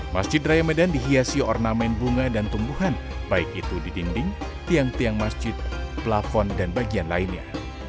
masjid raya medan dihiasi ornamen bunga dan tumbuhan baik itu di dinding tiang tiang masjid plafon dan bagian lainnya